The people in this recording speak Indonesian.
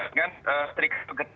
dengan setrika segera